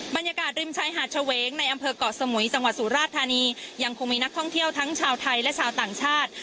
บรรยากาศริมชายหาดเฉวงในอำเภอกเกาะสมุยจังหวัดสุราชธานียังคงมีนักท่องเที่ยวทั้งชาวไทยและชาวต่างชาติ